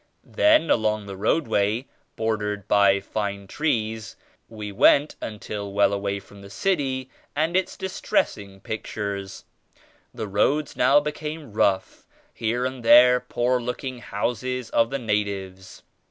Then along the roadway bordered by fine trees we went until well away from the city and its dis tressing pictures. The roads now became rough ; here and there poor looking houses of the natives.